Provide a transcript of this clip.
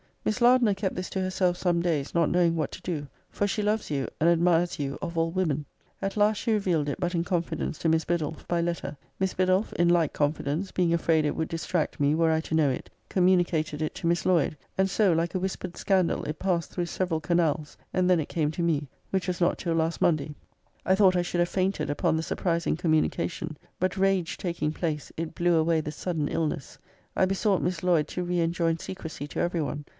'Miss Lardner kept this to herself some days, not knowing what to do; for she loves you, and admires you of all women. At last she revealed it, but in confidence, to Miss Biddulph, by letter. Miss Biddulph, in like confidence, being afraid it would distract me, were I to know it, communi cated it to Miss Lloyd; and so, like a whispered scandal, it passed through several canals, and then it came to me; which was not till last Monday.' I thought I should have fainted upon the surpris ing communication. But rage taking place, it blew away the sudden illness. I besought Miss Lloyd to re enjoin secrecy to every one.